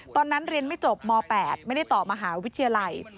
ตอนนั้นเรียนไม่จบม๘ไม่ได้ต่อมหาวิทยาลัย